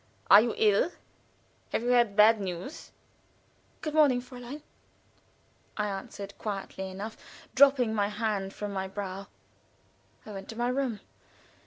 Are you ill? Have you had bad news?" "Good morning, Fräulein," I answered, quietly enough, dropping my hand from my brow. I went to my room.